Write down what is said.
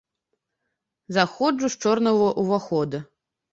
Заходжу з чорнага ўвахода.